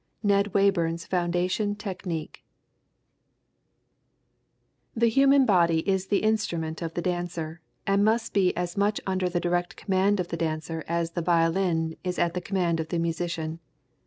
NED WAYBURN'S FOUNDATION TECHNIQUE The human body is the instrument of the dancer, and must be as much under the direct command of the dancer as the violin is at the command of the musician.